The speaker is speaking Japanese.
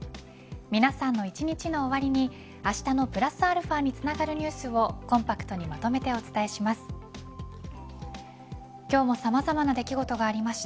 皆さんの一日の終わりにあしたのプラスαにつながるニュースをコンパクトにまとめてお伝えします。